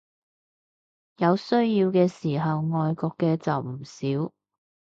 有需要嘅時候愛國嘅就唔少